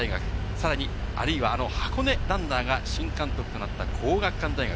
さらには箱根ランナーが新監督となった皇學館大学。